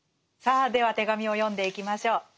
さあでは手紙を読んでいきましょう。